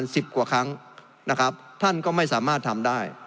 สิบกว่าครั้งนะครับท่านก็ไม่สามารถทำได้